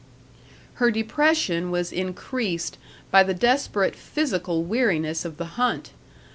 Her depression was increased by the desperate physical weariness of the hunt.